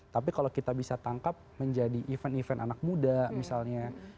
tapi kalau kita bisa tangkap menjadi event event anak muda misalnya